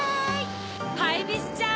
ハイビスちゃん！